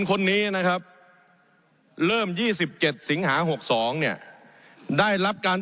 คนนี้นะครับเริ่มยี่สิบเจ็ดสิงหาหกสองเนี่ยได้รับการ